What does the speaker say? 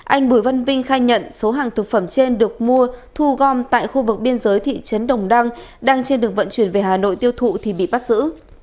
anh bùi văn vinh khai nhận số hàng thực phẩm trên được mua thu gom tại khu vực biên giới thị trấn đồng đăng đang trên đường vận chuyển về hà nội tiêu thụ thì bị bắt giữ